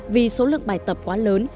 vì số lượng bài tập quá lớn